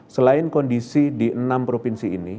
selain kondisi di enam provinsi ini